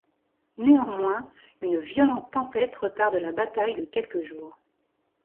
Néanmoins, une violente tempête retarde la bataille de quelques jours.